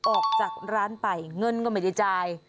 ออกจากร้านไปเงินก็ไม่ได้จ่าย